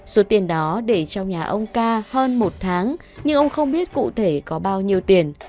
số tiền đó để trong nhà ông ca hơn một tháng nhưng ông không biết cụ thể có bao nhiêu tiền